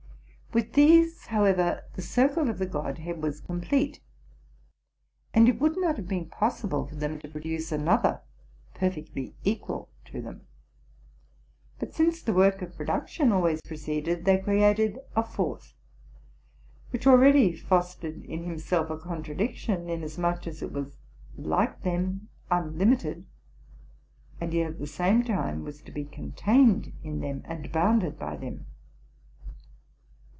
With these, however, the circle of the God head was complete ; and it would not have been possible for them to produce another perfectly equal to them. But, since the work of production always proceeded, they created a fourth, which already fostered in himself a contradiction, in asmuch as it was, like them, unlimited, and yet at the same time was to be contained in them and bounded by them.